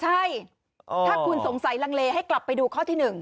ใช่ถ้าคุณสงสัยลังเลให้กลับไปดูข้อที่๑